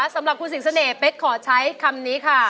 สำหรับคุณสิงเสน่ห์เป๊กขอใช้คำนี้ค่ะ